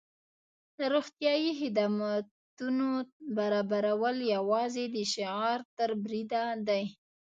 د روغتیايي خدمتونو برابرول یوازې د شعار تر بریده دي.